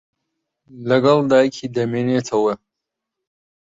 لەگەڵ دایکی دەمێنێتەوە.